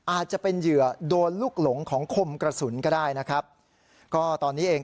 อาจจะเป็นเหยื่อโดนลูกหลงของคมกระสุนก็ได้นะครับก็ตอนนี้เอง